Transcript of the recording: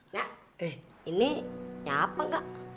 kak ini siapa kak